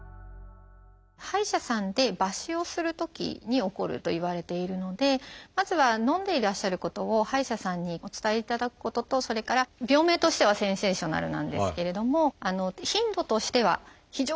歯医者さんで抜歯をするときに起こるといわれているのでまずはのんでいらっしゃることを歯医者さんにお伝えいただくこととそれから病名としてはセンセーショナルなんですけれども頻度としては非常に少ない。